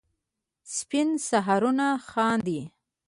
سپین سهارونه خاندي